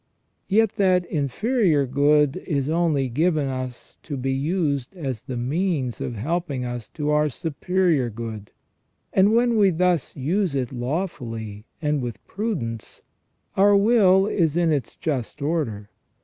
Yet that inferior good is only given us to be used as the means of helping us to our superior good ; and when we thus use it lawfully and with prudence, our will is in its just order.